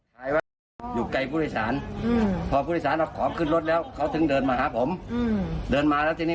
อย่าไปอย่างนั้นอย่างนี้อย่างนี้มันเงี้ยเงามันเขาก็จะพูดอย่างนี้